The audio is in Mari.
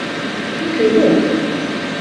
Уке вет.